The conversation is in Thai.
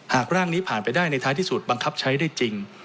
ร่างนี้ผ่านไปได้ในท้ายที่สุดบังคับใช้ได้จริง